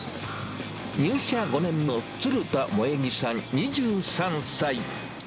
入社５年の鶴田萌木さん２３歳。